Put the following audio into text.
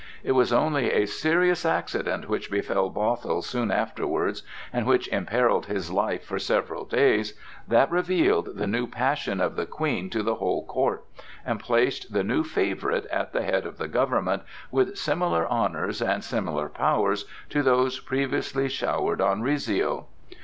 It was only a serious accident, which befell Bothwell soon afterwards and which imperilled his life for several days, that revealed the new passion of the Queen to the whole court and placed the new favorite at the head of the government, with similar honors and similar powers to those previously showered on Rizzio.